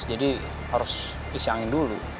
jadi harus isi angin dulu